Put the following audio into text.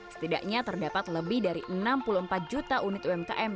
setidaknya terdapat lebih dari enam puluh empat juta unit umkm